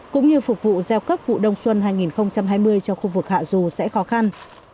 cũng như phục vụ gieo cấp vụ đông xuân hai nghìn hai mươi cho khu vực hạ dù sẽ khó khăn